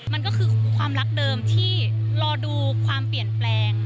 มันก็คือความรักเดิมที่รอดูความเปลี่ยนแปลง